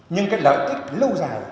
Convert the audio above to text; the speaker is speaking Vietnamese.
nhưng cái lợi ích lâu dài